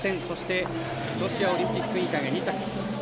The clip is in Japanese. そしてロシアオリンピック委員会２着。